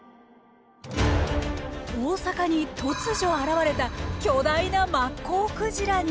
大阪に突如現れた巨大なマッコウクジラに。